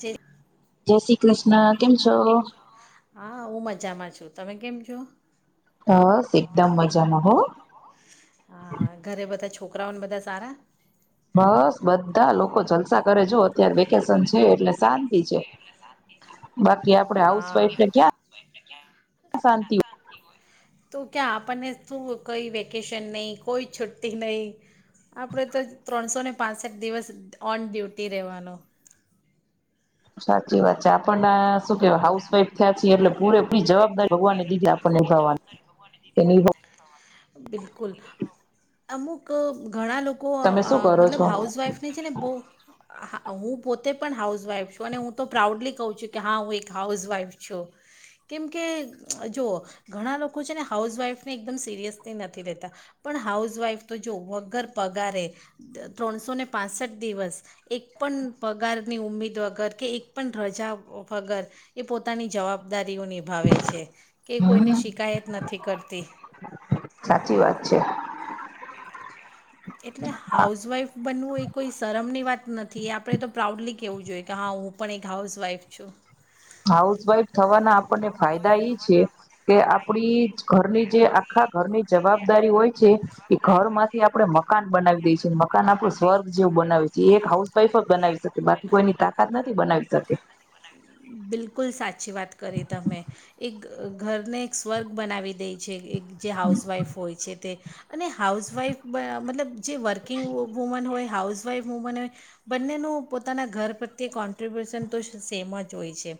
જે જય શ્રી કૃષ્ણ કેમ છો? હા હું મજામાં છું તમે કેમ છો? હા. એકદમ મજામા હો. હા ઘરે બધા છોકરાઓને બધા સારા? બસ બધા લોકો જલસા કરે જો અત્યારે વેકેશન છે એટલે શાંતિ છે, બાકી આપ આપ હાઉસ હા વાઈફ ક્યા શાંતિ. તો ક્યા આપણને શું કઈ વેકેશન નહીં કોઈ છુટ્ટી નહીં, આપણે તો ત્રણસો ને પાંસઠ દિવસ ઓન ડ્યુટી રહેવાનું. સાચી વાત છે આપણને શું કે હાઉસ વાઈફ થયા છી એટલે પૂરે પૂરી જવાબદારી ભગવાને દીધી આપણને નિભાવવાની. તેની બિલકુલ, અમુક ઘણા લોકો તમે શું કરો મતલબ છો હાઉસવાઇફને છે ને બો, હું પોતે પણ હાઉસવાઈફ છું અને હું તો પ્રાઉડલી કહું છું કે હા હું એક હાઉસવાઈફ છું, કેમ કે જો ઘણા લોકો છે ને હાઉસવાઇફને એકદમ સિરિયસલી નથી લેતા, પણ હાઉસવાઇફ તો જો વગર પગારે, ત્રણસો ને પાંસઠ દિવસ, એક પણ પગારની ઉમીદ વગર કે એક પણ રજા વગર એ પોતાની જવાબ દારીયો નિભાવે છે, કે કોઈને હમ શિકાયત નથી. કરતી સાચી વાત છે. એટલે હાઉસ વાઈફ બનવું એ કોઈ શરમ ની વાત નથી આપડે તો પ્રાઉડલી કેવું જોઈએ કે હા હું પણ એક હાઉસવાઈફ છું. હાઉસવાઈફ થવાના આપણને ફાયદા ઈ છે કે આપડી જ ઘરની જે આખા ઘરની જવાબદારી હોય છે એ ઘરમાંથી આપડે મ મકાન બનાવી દે છે મ મકાન આપડું સ્વર્ગ જેવું બનાવે છે. એ એક હાઉસ વાઈફ જ બનાવી શકે બાકી કોઈની તાકાત નથી. બનાવી શકે. બિલકુલ સાચી વાત કરી તમે એક ઘરને એક સ્વર્ગ બનાવી દે છે એક જે હાઉસવાઈફ હોય છે તે. અને હાઉસવાઇફ બ મતલબ જે વર્કિગ વુ વુમન હોય હાઉસવાઈફ વુમન બને બંનેનું પોતાના ઘર પ્રત્યે કોન્ટ્રિબ્યુશન તો સેમ જ હોય છે.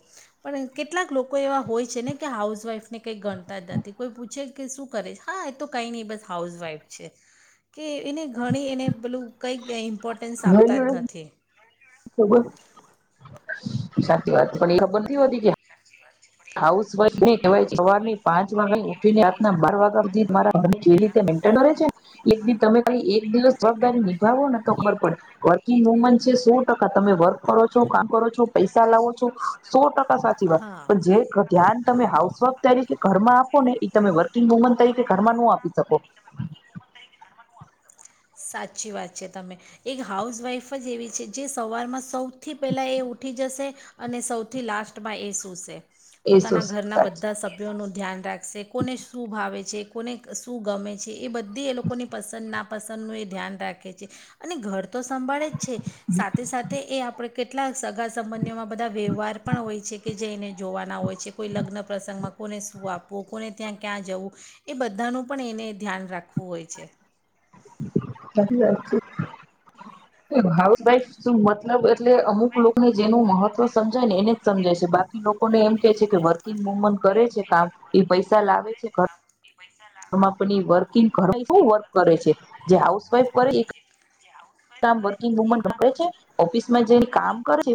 પણ કેટલાક લોકો એવા હોય છે ને કે હાઉસવાઈફ ને કઈ ગણતા જ નથી કોઈ પૂછે શું કરે છે હા એ તો કઈ નહી બસ હાઉસવાઈફ છે. કે એને ઘણી એને પેલું કંઈક કંઈ ઇમ્પોર્ટન્સ આપતા જ વેલ્યુ નથી. સાચી વાત પણ એ ખબર નથી હોતી કે હાઉસ વા ન ક સવારની પાંચ વાગ્યા ઉઠીનેના બાર વાગ્યા સુી મારા કેવી રીતે મેન્ટન કરે છેી તમે ખાલી એક દિવસ જવાબદારી નિભાવો ને તો ખબર પડે વર્કિંગ વુમન છે સો ટકા તમે વર્ક કરો છો કામ કરો છો પૈસા લાવો છો સો ટકા સાચી વાત ધ્યાન તમે હાઉસવાઇફ તરીકે ઘરમાં આપો ને એ તમે વર્કિંગ વુમન તરીકે ઘરમાંનું આપી શકો સાચી વાત છે તમે એક હાઉસવાઈફ જ એવી છે જે સવાર માં સૌ સથી પેલા એ ઉઠી જશે અને સૌથી લાસ્ટમાં એ શૂ છે એ શું પોતાના ઘરના બધા સાચી સભ્યોનો ધ્યાન રાખશે કોને શું ભાવે છે કોને શું ગમે છે એ બધી એ લોકોની પસંદ ના પસંદનું એ ધ્યાન રાખે છે અને ઘર તો સંભળે જ છે સાથે સાથે એ આપણે કેટલા સગા સંબંધીઓમાં બધા વ્યવહાર પણ હોય છે કે જે એને જોવાના હોય છે કોઈ લગ્ન પ્રસંગમાં કોને શું આપવું કોને ત્યાં ક્યાં જવું એ બધા બધાનું પણ એને ધ્યાન રાખવું હોય છે બ વા છે હાઉસવાઈફ શું મતલબ એટલે અમુક લોકોને જેનું મહત્વ સમજાય ને એને જ સમજાય છે બા લોકોને એમ કે છે કે વર્ ન બમન કરે છે કામ એ પૈસા લાવે છે પૈસા ઘ પણ વર્કિંગ કર શ વર્ક કરે છે જે હાઉસ [inaudible] કામ વર્કિંગ વુમન કરે છે ઓફિસમાં જે કામ કરે એ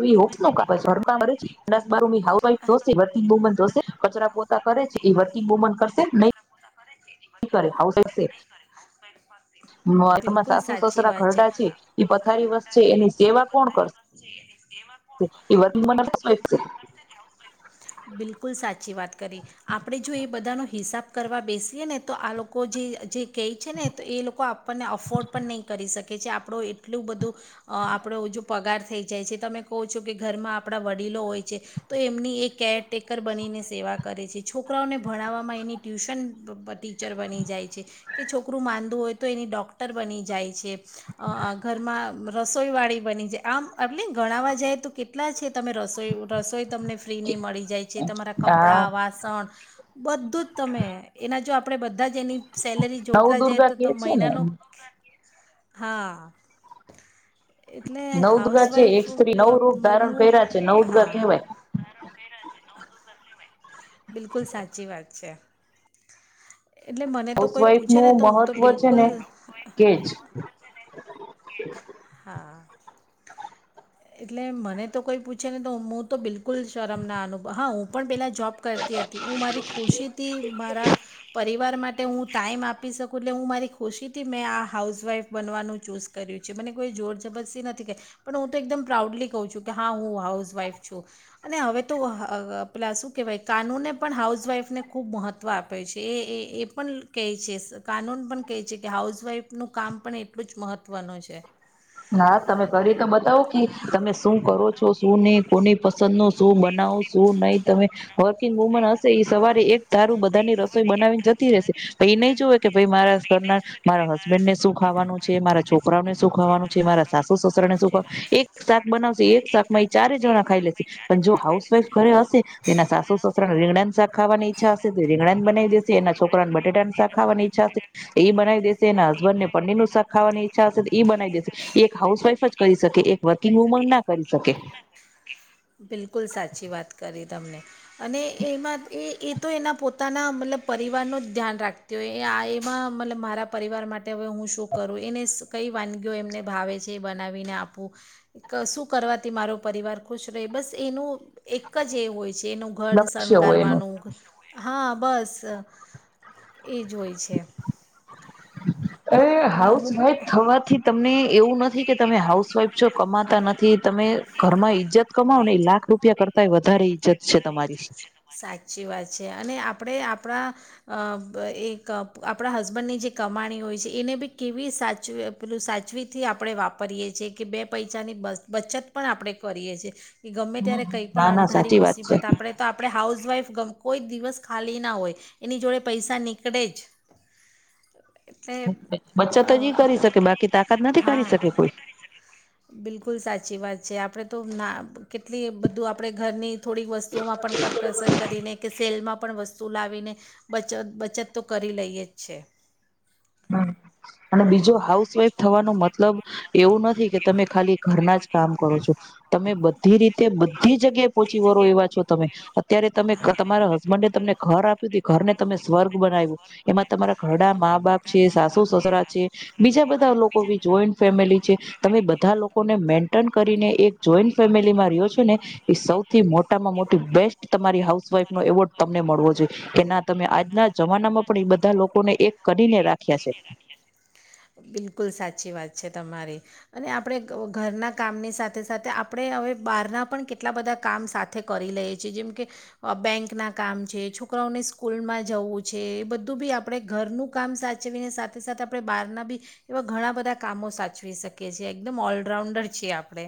ન દસ બારી હાઉસ વાઈફ જોશે વર્કિંગ વુમન જોશે કચરા પોતા કરે છે એ વર્કિંગ વુમન કરશે નહી કરે હ હ બિલકુલ સાસુ સાચી સસરા વાત ખરડા છે એ પથારી વસ્ છે એની સેવા કોણ કરશે. બિલકુલ સાચી વાત કરી આપણે જો એ બધાનો. હિસાબ કરવા બેસીએ ને તો આ લોકો જે કહે છે ને તો એ લોકો. કે છે આપણો એટલું બધું આપણો જો પગાર થઈ જાય છે તમે કહો છો કે ઘરમાં આપણા વડીલો હોય છે તો એમની એ કેરટેકર બનીને સેવા કરે છે છોકરાઓને ભણાવવામાં એની ટ્યુશન ટીચર બની જાય છે કે છોકરું માંંદું હોય તો એની ડૉ. ડૉક્ટર બની જાય છે ઘરમાં રસોઈવાળી બની જાય આમ એટલે ગણાવવા જાય તો કેટલા છે તમે રસો રસોઈ. તમને ફ્રીની મળી જાય છે તમારા હા કપડાં વાસણ. બધું જ તમે એના જો આપડે બધું. બધા જ એની સેલરી જોડતા જાય નવદુર્ગા તો તો કે છે ને મહિનાનો. હા. એટલે નવદગા છે હાઉસવાઈફ એક સ્ત્રી નવ રૂપ ધારણ બનવું કર્યા છે નવદગા કેહેવાય. હું બ. બિલકુલ સાચી વાત છે. એટલે મને તો કોઈ હાઉસવાઈફ પૂછે ને નું તો હું તો મહત્વ છે બિલકુલ ને કે જ હા. એટલે મને તો કોઈ પૂછે ને તો હું તો બિલકુલ શરમ ના અનુભવ હા હું પણ પેલા જોબ કરતી હતી. હું મારી ખુશીથી મારા પરિવાર પરિવાર માટે હું ટાઈમ આપી શકું એટલે હું મારી ખુશીથી મેં આ હાઉસવાઇફ બનવાનું ચૂઝ કર્યું છે મને કોઈ જોર જબરસ્તી નથી કરી, પણ હું તો એકદમ પ્રાઉડલી કઉ છું કે હા હું હાઉસવાઈફ છું, અને હવે તો પેલા શું કેહેવાય કાનૂને પણ હાઉસવાઈફને ખૂબ મહત્વ આપે છે એ એ પણ કહે છે કાનૂન પણ કહે છે કે હાઉસવાઈફનું કામ પણ એટલું જ મહત્વનું છે. હા તમે કરી તો બતાવો કે, તમે શું કરો છો શું નહી કોની પ સ ન શું બનાવો શું નહી તમે. વર્કિંગ વુમન હશે એ સવારે એક તારું બધાની ર બનાવીને જતી રેશે, પન નહી જોવે કે ભ મારા સરના મારા હસબેન્ડ ને શું ખાવાનું છે મારા છોકરાઓ ને શું ખાવાનું મારા સાસુ સસરા ને શું ખ, એક શાક બનાવશે એક શાકમાં એ ચારે જણા ખાઈ લેશે, પણ જો હાઉસ વાઈફ ઘરે હશે એના સાસુ સસરા ને રીંગણાનેાક ખાવાની ઈચ્છા હશે તો રીંગણા બ દ એના છોકરા ને બટેટા નીાવાની ઈચ્છાશે બનાવી દેશે એના હસબન્ડને પનીરનૂ ખાવાની ઈચ્છાશે ઈ બનાવી. દેશે. એક હાઉસવાઈફ જ કરી શકે એક વર્કિંગ વુમન ના કરી શકે. બિલકુલ સાચી વાત કરી એના પોતાના મતલબ પરિવારનું જ ધ્યાન રાખતી હોય આ એમાં મતલબ મારા પરિવાર માટે હવે હું શું કરું એને કઈ વાનગીઓ એમને ભાવે છે બનાવીને આપું, શું કરવાથી મારો પરિવાર ખુશ રહે બસ એનું એક જ એ હોય છે. એનું ઘન લક્ષ્ય હોય એનું શણગારવાનું. હા બસ. એ જો હોય છે. અ તમે અમુક હાઉસવાઈફ થવાથી તમને એવું નથી કે તમે હાઉસવાઈફ જો કમાતા નથી. થી તમે ઘરમાં ઈજ્જત કમાવો ને લાખ રૂપિયા કર કય વધારે ઈજ્જત છે. તમારી સાચી વાત છે અને આપ પણે આપણા અ પ એક આપણા હસબન્ડની જે કમાણી હોય છે એને બી કેવી સાચવી પેલું સાચવીથી આપણે વાપરીએ છીએ કે બે પૈસાની બ બચત પણ આપણે કરીએ છીએ કે ગમે ત્યારે કંઈ પણ ના ના અણંધારી સાચી વાત છે મુસીબત આપણે હાઉસવાઇફ ક કોઈ દિવસ ખાલી ના હોય એની જોડે પૈસા નીકળેજ. બચત હજી કરી શકે બાકી તાકાત નથી કરી હા શકે કોઈ. જે આપણેે તો ના કેટલી બધું આપે ઘરની થોડીક વસ્તુઓ કરકસ કરી કરીને કેસી તેલમાં પણ વસ્તુ લાવીને બચત બચત તો કરી લઈએ જ છે. હ અ બીજું હાઉસવાઈફ થવાનો મતલબ એવું નથી કે તમે ખાલી ઘરના જ કામ કરો છો તમે બ દિ બધી રીતે બધી જગ્યાએ પોચી વરો એવા છો તમે અત્યારે તમે તમારા હસબન્ડે તમને ઘર આપ્યું ઘરને તમે સ્વર્ગ બનાવ્યું એમાં તમારા ઘરડા મા બાપ છે સાસુ સસરા છે બીજા બધા લોકો જોઈન્ટ ફેમિલી છે તમે બધા લોકોને મેન્ટેન કરીને એક જોઈન્ટ ફેમિલીમાં રહ્યો છો ને એ સૌથી મોટ મોટા મા મોટી બેસ્ટ તમારી હાઉસફ નો એવોર્ડ તમને મળવો છે કે ના તમે આજના જમાનામાં પણ એ બધા લોકોને એક કરીને રાખ બિલકુલ સાચી વાત છે તમારી અને આપડે ઘરના કામની સાથે સાથે, આપડે હવે બહારના પણ કેટલા બધા કામ સાથ સાથે કરી લઈએ છીએ, જેમ કે બેંકના કામ છે, છોકરાઓને સ્કૂલમાં જવું છે, એ બધું બી આપડે ઘરનું કામ સાચવીને સાથે સાથે આપડે બહારના બી એવા ઘણા બધા કામો સાચવી શકીએ છીએ, એકદમ ઓલરાઉન્ડર છીએ આપડે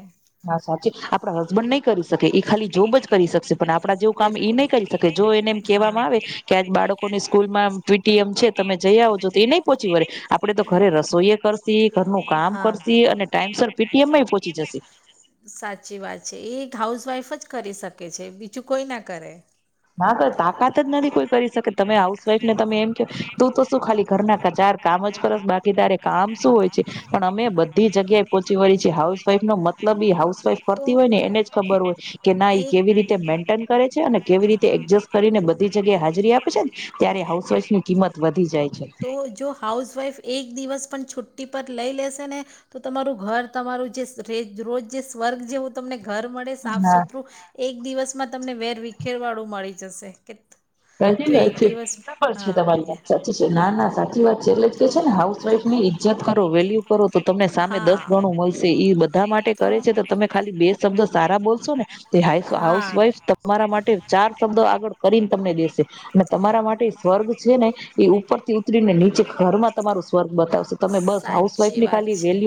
હા સાચી આપડા હસબન્ડ નહી કરી શકે, એ ખાલી જોબ જ કરી શકશે પણ આપડા જેવું કામ એ નઈ કરી શકે. જો એને એમ કેહેવામાં આવે કે આજે બાળકોની સ્કૂલમાં પી ટી એમ છે, તમે જઈ આવજો તો એ ની પહોંચી વળે. આપડે તો ઘરે રસોઈએ કરશી, ઘરનું કામ કરશ અને ટાઈમ સર પી ટી એમમાં પહોંચી જશે. સાચી વાત છે, એક હાઉસવાઈફ જ કરી શકે છે, બીજું કોઈ ના કરે બા તાકાત જ નથી કોઈ કરી શકે. તમે હાઉસ વાઈફને તમે એમ ક તું તો શું ખાલી ઘર ના ક ચાર કામ જ કરસ બાકી તારે કામ શું હોય છે, પણ અમે બધી જગ્યાએ પોહોંચી વળી છીએ. હાઉસવાઈફ નો મતલબ હાઉસવાઈફ કરતી હોય ને એને જ ખબર હોય કે ના કેવી રીતે મેન્ટેન કરે છે અને કોઈ રીતે એડજેસ્ટ કરીને બધી જગ્યાએ હાજરી આપે છે, ને ત્યારે હાઉસવાઈફની કિંમત વધી જાય છે. તો જાય. જો હાઉસવાઈફ એક દિવસ પણ છુટ્ટી પર લઈ લેશે ને, તો તમારું ઘર તમારું જે રોજ જે સ્વર્ગ જે હું તમને ઘર મળે સાફ હા સુથરું એક એક દિવસમાં તમને વેર વિખેર વાળું મળી જશે કે સાચી જો એક વાત છે, દિવસ બરાબર છે હા તમારી વાત, સાચી છે, ના ના સાચી વાત છે. એટલેજ તો કે છેને હાઉસવાઈફ ની ઈજ્જત કરો, વેલ્યુ કરો, તો તમને સામે દસ હા ગણું મળશે. એ બધા માટે કરે છે, તો તમે ખાલી બે શબ્દો સારા બોલશો ને, હા હાઉસવાઈફ તમારા માટે ચાર શબ્દો આગળ કરી તમને દેસે અને તમારા માટે સ્વર્ગ છે ને એ ઉપરથી ઉતરીને નીચે ઘરમાં તમારું સ્વર્ગ બતાવશે તમે બસ આવ સી વાત છે.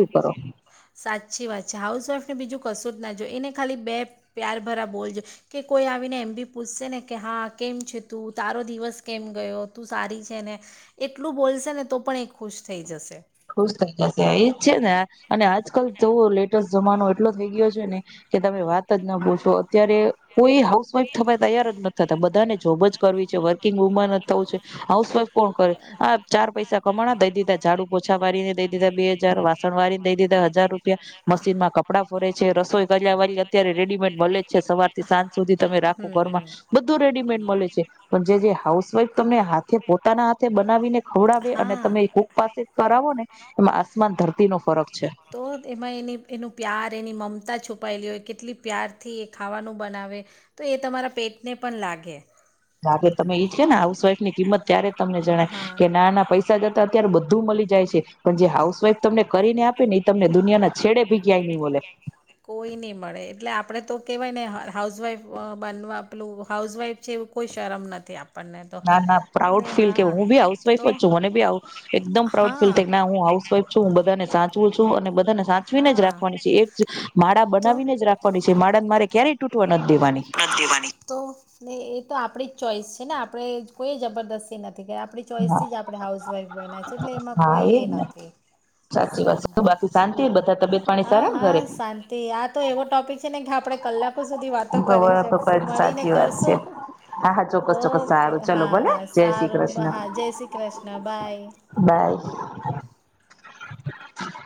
સાચી વાત છે હાઉસ વાઈફ ને બીજું ક શું જ ના જોઈએ એને ખાલી બે પ્યાર ભરા બોલ જો કે કોઈ આવીને એમ બી પૂછશે ને કે હા કેમ છે તું? તારો દિવસ કેમ ગયો? તું સારી છે ને? એટલું બોલશે ને તો પણ એ ખુશ થઈ જશે. ખુશ થઈ એ જશે એજ છે ને અને આજકાલ તો લેટેસ્ટ જમાનો એટલો થઈ ગયો છે ને કે તમે વાત જ ના પૂછો. અત્યારે કોઈ હાઉસવાઈફ થવા તૈયાર જ નથી થતા બધાને જોબ જ કરવી છે વર્કિંગ વુમન જ થવું છે હાઉસ વાઇફ કોણ કરે આ ચાર પૈસા હમણાં દઈ દીધાં જા પોછાવાળીને દઈ દીધા બે હજાર, વાસણવાળીને દઈ દીધા હજાર રૂપિયા, મશીનમાં કપડા ફરે છે, રસોઈ કરવા વાળી અત્યારે રેડીમેડ મળે જ છે સવાર થી સાંજ સુધી તમે રાખો ઘરમાં બધું રેડીમેડ મળે છે. પણ જે જે હાઉસવાઇફ તમને હાથે પોતાના હાથે બનાવીને ખવડાવે અને શકો તમે કૂક પાસે ઉત્પાદિત કરાવોને એમાં આસમાન ધરતી નો ફરક છે. તો એમાં એની એનું પ્યાર એની મમતા છુપાયેલી હોય કેટલી પ્યારથી એ ખાવાનું બનાવે તો એ તમારા પેટને પણ લાગે. લાગે. તમને એજ છે ને હાઉસવાઈફની કિંમત ત્યારે તમને જણાય કે ના ના પૈસા દેતા અત્યારે બધું મળી જ જાય છે. પણ જે હાઉસ વાઈફ તમને કરીને આપે ને એ તમને દુનિયાના છેડે ભી ક્યાંય નહી મળે કોઈ નઈ મળે એટલે આપડે તો કહેવાય ને હાઉસવાઈફ બનવા પેલું હાઉસવાઈફ છે એવું કોઈ શરમ નથી આવ. ના ના પ્રાઉડ ફીલ કેય હું પણ હાઉસવાઈફ જ છું મને પણ એકદમ પ્રાઉડ ફીલ થઈ હાઉસવાઈફ ના હું હાઉસવાઈફ છું હું બધા સાચવું છું અને બધાને સાચવીને જ રાખવાની છે એજ [unintelligible] બનાવીને જ રાખવાની છે માળન મારે ક્યારેય તૂટવા નથી દેવાની [unintelligible] તો ને એ તો આપણી જ ચોઈસ છે ને આપણે કોઈ જબરદસ્તી નથી આપણી હા ચોઈસથી જ આપણે હાઉસવાઈફ બન્યા એટલે એમાં હા કોઈ એ એજ ને નથી સાચી વાત બાકી હ... શાંતિ બધા તબિયત [unintelligible] પાણી સારા ને હા ઘરે શાંતિ આ તો એવો ટોપિક છે ને આપણે કલાક સુધી વાત તો કરી બરાબર તો શકશું બરાબર મળીને સાચી વાત છે. કરશું હા હા ચોક્કસ ચોક્કસ ઓકે સારું ચલો હા ભલે હા જય શ્રી સારું કૃષ્ણ હા, જય શ્રી કૃષ્ણ બાય [inaudible]